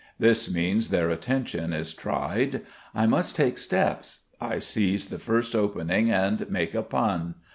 This means their attention is tried. I must take steps. I seize the first opening and make a pun.